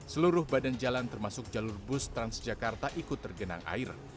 seluruh badan jalan termasuk jalur bus transjakarta ikut tergenang air